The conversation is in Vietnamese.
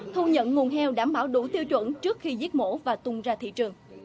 thu nhận nguồn heo đảm bảo đủ tiêu chuẩn trước khi giết mổ và tung ra thị trường